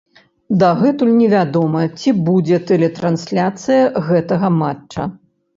Дагэтуль невядома, ці будзе тэлетрансляцыя гэтага матча.